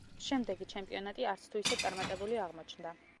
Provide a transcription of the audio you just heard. შემდეგი ჩემპიონატი არც თუ ისე წარმატებული აღმოჩნდა.